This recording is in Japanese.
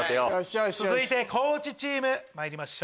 続いて地チームまいりましょう。